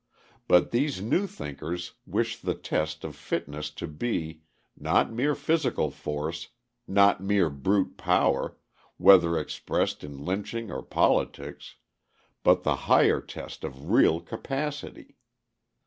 but these new thinkers wish the test of fitness to be, not mere physical force, not mere brute power, whether expressed in lynching or politics, but the higher test of real capacity.